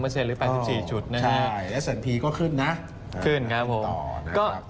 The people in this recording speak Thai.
ใช่และสนทีก็ขึ้นนะขึ้นต่อนะครับขึ้นต่อ